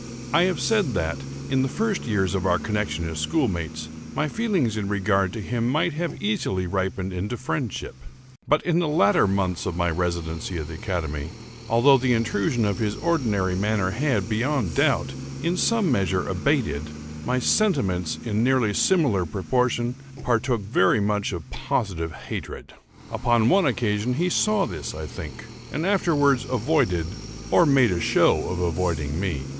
I have said that, in the first years of our connexion as schoolmates, my feelings in regard to him might have been easily ripened into friendship; but, in the latter months of my residence at the academy, although the intrusion of his ordinary manner had, beyond doubt, in some measure, abated, my sentiments, in nearly similar proportion, partook very much of positive hatred. Upon one occasion he saw this, I think, and afterwards avoided, or made a show of avoiding me.